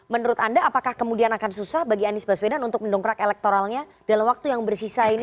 menurut anda apakah kemudian akan susah bagi anies baswedan untuk mendongkrak elektoralnya dalam waktu yang bersisa ini